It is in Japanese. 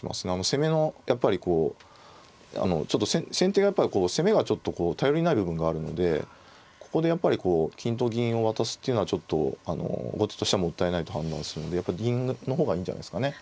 攻めのやっぱりこうちょっと先手がやっぱり攻めがちょっと頼りない部分があるのでここでやっぱり金と銀を渡すっていうのはちょっと後手としてはもったいないと判断するのでやっぱり銀の方がいいんじゃないですかね。